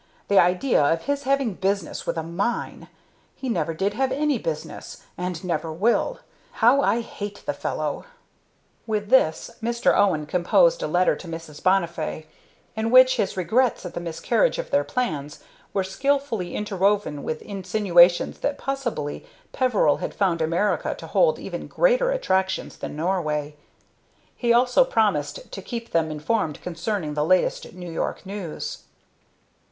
The idea of his having business with a mine! He never did have any business, and never will. How I hate the fellow!" With this, Mr. Owen composed a letter to Mrs. Bonnifay, in which his regrets at the miscarriage of their plans were skilfully interwoven with insinuations that possibly Peveril had found America to hold even greater attractions than Norway. He also promised to keep them informed concerning the latest New York news.